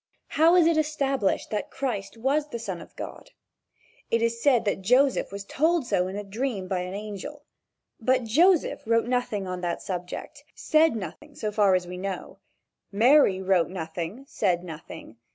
How is it established that Christ was the son of God? It is said that Joseph was told so in a dream by an angel. But Joseph wrote nothing on that subject said nothing so far as we know. Mary wrote nothing, said nothing.